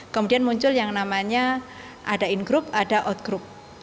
kemudian muncul yang namanya ada in group ada out group